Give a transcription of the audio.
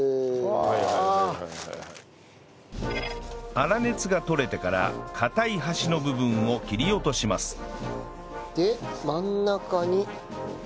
粗熱がとれてから硬い端の部分を切り落としますで真ん中に。